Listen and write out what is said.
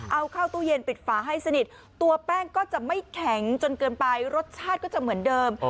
เอาข้าวตู้เย็นปิดฝาให้สนิทตัวแป้งก็จะไม่แข็งจนเกินไปรสชาติก็จะเหมือนเดิม